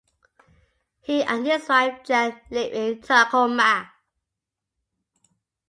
He and his wife Jann live in Tacoma.